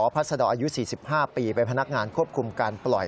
พัศดรอายุ๔๕ปีเป็นพนักงานควบคุมการปล่อย